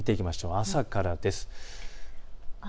朝からです。